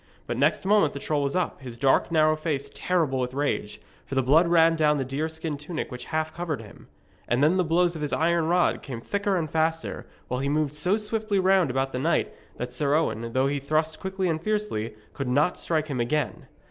But next moment the troll was up, his dark narrow face terrible with rage, for the blood ran down the deer skin tunic which half covered him. And then the blows of his iron rod came thicker and faster, while he moved so swiftly round about the knight that Sir Owen, though he thrust quickly and fiercely, could not strike him again.